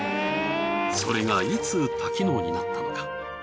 それがいつ多機能になったのか？